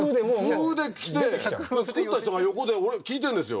風で来て作った人が横で俺聴いてるんですよ。